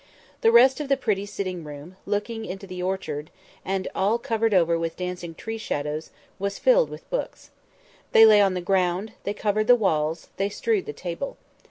The rest of the pretty sitting room—looking into the orchard, and all covered over with dancing tree shadows—was filled with books. They lay on the ground, they covered the walls, they strewed the table.